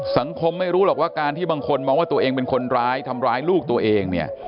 สังคมไม่รู้หรอกว่าการที่บางคนมองว่าตัวเองเป็นคนร้ายทำร้ายลูกตัวเองเนี่ย